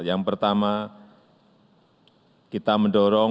yang pertama kita mendorong